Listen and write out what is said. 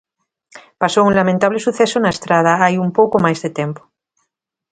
Pasou un lamentable suceso na Estrada hai un pouco máis de tempo.